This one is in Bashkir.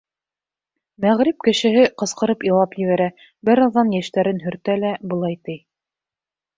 Мәғриб кешеһе ҡысҡырып илап ебәрә, бер аҙҙан йәштәрен һөртә лә былай ти: